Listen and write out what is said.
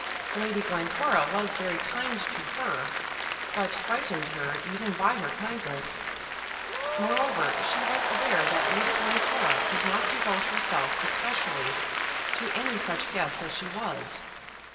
Lady Glencora was very kind to her, but frightened her even by her kindness. Moreover, she was aware that Lady Glencora could not devote herself especially to any such guest as she was.